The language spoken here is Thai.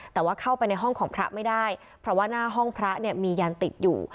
แต่ว่าเข้าไปในห้องของพระไม่ได้เพราะว่าหน้าห้องพระเนี่ยมียันติดอยู่